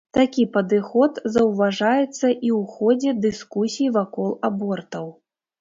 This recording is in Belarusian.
Такі падыход заўважаецца і ў ходзе дыскусій вакол абортаў.